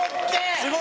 塙：すごい！